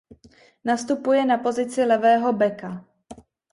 Nastupuje na pozici levého beka.